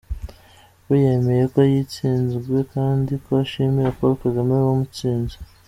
We yemeye ko yatsinzwe kandi ko ashimira Paul Kagame wamutsinze.